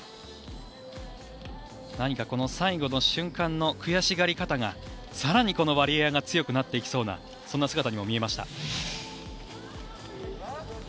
何かこの最後の瞬間の悔しがり方が更にこのワリエワが強くなっていきそうなそんな姿にも見えました。